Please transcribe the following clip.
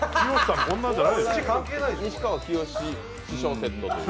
西川きよし師匠セットという。